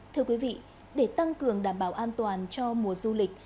thưa quý vị để tăng cường đảm bảo an toàn cho mùa du lịch